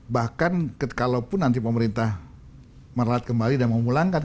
bahkan kalau pun nanti pemerintah merawat kembali dan memulangkan